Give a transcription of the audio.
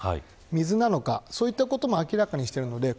水なのか、そういうことも明らかにしています。